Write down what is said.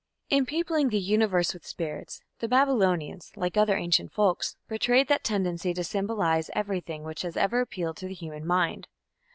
In peopling the Universe with spirits, the Babylonians, like other ancient folks, betrayed that tendency to symbolize everything which has ever appealed to the human mind.